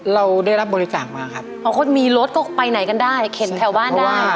เราได้รับบริจาคมาครับบางคนมีรถก็ไปไหนกันได้เข็นแถวบ้านได้